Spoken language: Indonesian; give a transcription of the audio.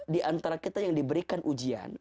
di antara kita yang diberikan ujian